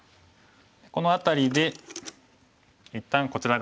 この辺りで一旦こちら側から。